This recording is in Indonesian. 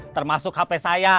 termasuk hp saya